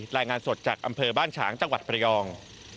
รายงานสดจากอำเภอบ้านฉางจังหวัดประยอง